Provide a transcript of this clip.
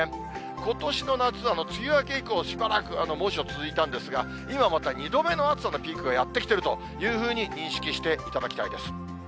ことしの夏は、梅雨明け以降、しばらく猛暑続いたんですが、今また２度目の暑さのピークがやって来ているというふうに認識していただきたいです。